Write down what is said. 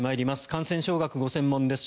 感染症学がご専門です